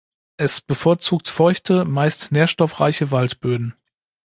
Es bevorzugt feuchte, meist nährstoffreiche Waldböden.